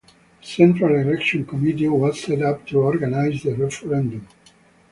A central election committee was set up to organise the referendum.